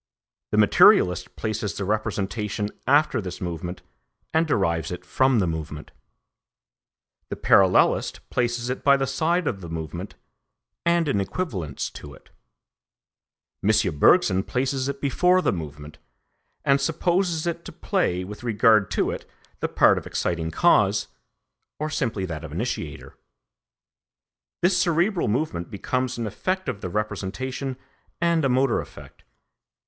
The materialist places the representation after this movement and derives it from the movement; the parallelist places it by the side of the movement and in equivalence to it. M. Bergson places it before the movement, and supposes it to play with regard to it the part of exciting cause, or simply that of initiator. This cerebral movement becomes an effect of the representation and a motor effect.